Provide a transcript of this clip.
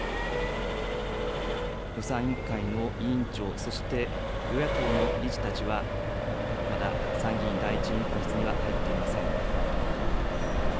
予算委員会の委員長、そして与野党の理事たちは、まだ参議院第１委員会室には入っていません。